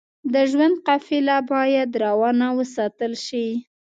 د ژوند قافله بايد روانه وساتل شئ.